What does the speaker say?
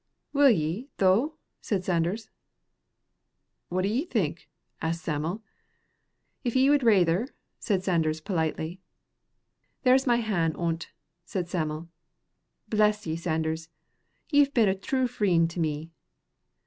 "Will ye, though?" said Sanders. "What d'ye think?" asked Sam'l. "If ye wid rayther," said Sanders, politely. "There's my han' on't," said Sam'l. "Bless ye, Sanders; ye've been a true frien' to me."